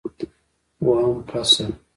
اووم فصل